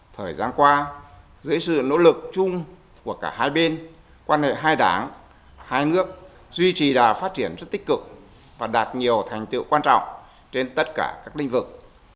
thời gian qua dưới sự nỗ lực chung của cả hai bên quan hệ hai đảng hai nước duy trì đà phát triển rất tích cực và đạt nhiều thành tiệu quan trọng trên tất cả các lĩnh vực